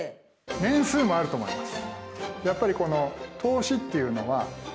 年数もあると思います。